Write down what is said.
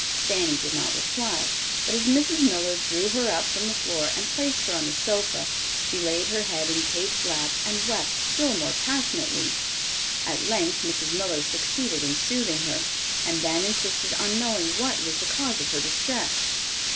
Fanny did not reply, but as Mrs. Miller drew her up from the floor and placed her on the sofa, she laid her head in Kate's lap and wept still more passionately. At length Mrs. Miller succeeded in soothing her, and then insisted on knowing what was the cause of her distress.